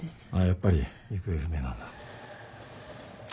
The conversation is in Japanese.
やっぱり行方不明なんだ。